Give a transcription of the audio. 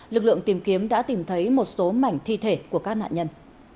lực lượng tìm kiếm đã tìm thấy một số mảnh thi thể của các nạn nhân